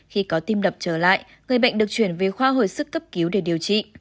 khi có tim đập trở lại người bệnh được chuyển về khoa hồi sức cấp cứu để điều trị